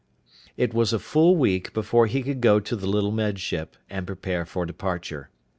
It was a full week before he could go to the little Med Ship and prepare for departure.